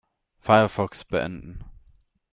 Firefox beenden.